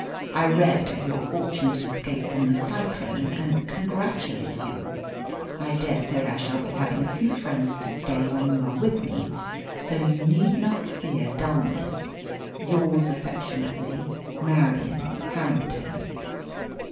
I read of your fortunate escape from the cyclone, and congratulate you. I dare say I shall be having a few friends to stay when you are with me, so you need not fear dulness. Yours affectionately, "MARIAN HARRINGTON.